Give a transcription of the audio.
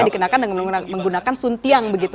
dikenakan dengan menggunakan suntiang begitu